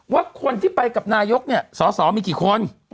ว่าคนที่ไปกับนายกเนี่ยสอสอมีกี่คน